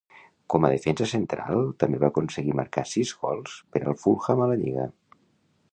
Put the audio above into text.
Com a defensa central també va aconseguir marcar sis gols per al Fulham a la lliga.